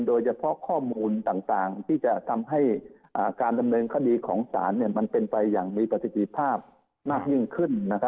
โดยเฉพาะข้อมูลต่างที่จะทำให้การดำเนินคดีของศาลมันเป็นไปอย่างมีประสิทธิภาพมากยิ่งขึ้น